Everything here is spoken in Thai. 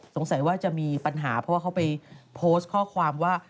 สงสัยว่าจะมีปัญหาเพราะว่าเขาไปโพสต์ข้อความว่า